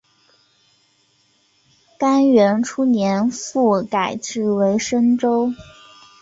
干元初年复改置为深州。